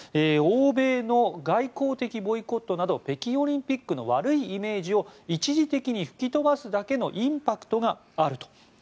欧米の外交的ボイコットなど北京オリンピックの悪いイメージを一時的に吹き飛ばすだけのインパクトがあると。